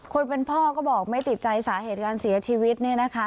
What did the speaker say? คนเป็นพ่อก็บอกไม่ติดใจสาเหตุการเสียชีวิตเนี่ยนะคะ